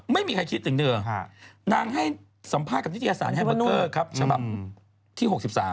ไม่มีใครคิดถึงเธอนางให้สัมภาษณ์กับนิตยสารแฮมเบอร์เกอร์ครับฉบับที่๖๓